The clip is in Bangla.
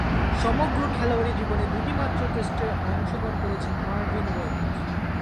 সমগ্র খেলোয়াড়ী জীবনে দুইটিমাত্র টেস্টে অংশগ্রহণ করেছেন মারভিন ওয়েট।